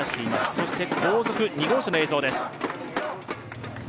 そして後続、２号車の映像です。